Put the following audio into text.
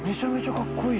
かっこいい！